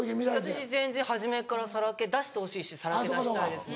私全然初めっからさらけ出してほしいしさらけ出したいですね。